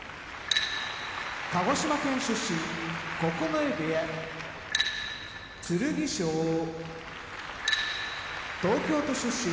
鹿児島県出身九重部屋剣翔東京都出身追手風部屋